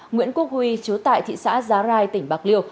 nguyễn quốc huy chú tại thị xã giá rai tỉnh bạc liêu